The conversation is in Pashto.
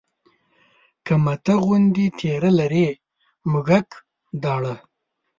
که مته غوندې تېره لري مږک داړه